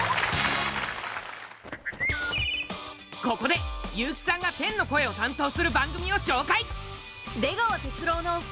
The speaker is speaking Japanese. ここで悠木さんが天の声を担当する番組を紹介！